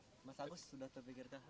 mas agus sudah terpikir teh